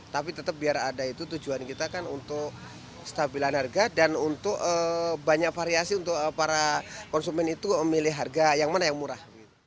tapi tetap biar ada itu tujuan kita kan untuk stabilan harga dan untuk banyak variasi untuk para konsumen itu memilih harga yang mana yang murah